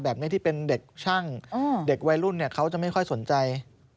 ที่เป็นเด็กช่างเด็กวัยรุ่นเขาจะไม่ค่อยสนใจ